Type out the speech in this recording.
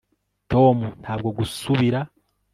tom ntabwo gusubira